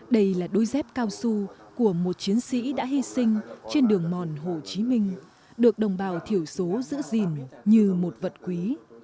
đó là một phần đối giáp cao su của một chiến sĩ đã hy sinh trên đường mòn hồ chí minh được đồng bào thiểu số giữ gìn như một vật quý